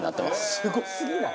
すごすぎない？